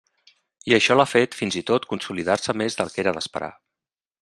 I això l'ha fet, fins i tot consolidar-se més del que era d'esperar.